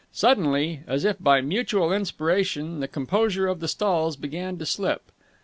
Suddenly, as if by mutual inspiration, the composure of the stalls began to slip.